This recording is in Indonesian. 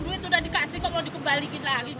duit itu udah dikasih kok mau dikembalikan lagi